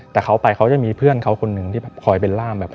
แต่เขาไปเขาจะมีเพื่อนเขาคนหนึ่งที่แบบคอยเป็นร่ามแบบ